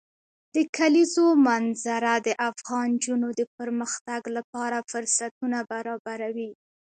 د کلیزو منظره د افغان نجونو د پرمختګ لپاره فرصتونه برابروي.